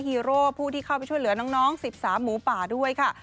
ฮีโร่ผู้ที่เข้าไปช่วยเหลือน้อง๑๓หมูป่าด้วยค่ะ